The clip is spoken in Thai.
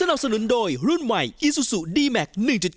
ออเบอร์ตอร์มหาสนุก